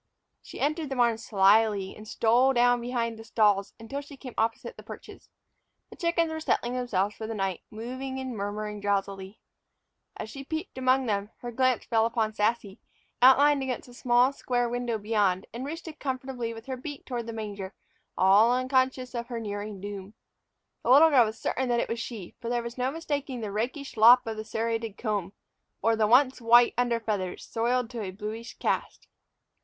She entered the barn slyly and stole down behind the stalls until she came opposite the perches. The chickens were settling themselves for the night, moving and murmuring drowsily. As she peeped among them, her glance fell upon Sassy, outlined against the small square window beyond and roosted comfortably with her beak toward the manger, all unconscious of her nearing doom. The little girl was certain that it was she, for there was no mistaking the rakish lop of the serrated comb, or the once white under feathers soiled to a bluish cast.